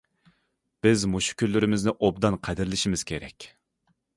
بىز مۇشۇ كۈنلىرىمىزنى ئوبدان قەدىرلىشىمىز كېرەك.